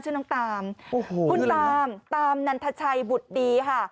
ชื่อน้องตามโอ้โหคุณตามตามนันทชัยบุตรดีค่ะ